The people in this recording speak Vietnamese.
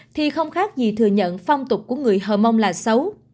thì không khác gì thừa nhận phong tục của người hờ mông là xấu